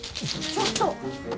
ちょっと！